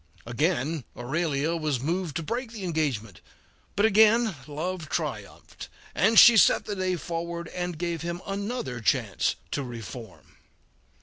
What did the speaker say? Again Aurelia was moved to break the engagement, but again love triumphed, and she set the day forward and gave him another chance to reform.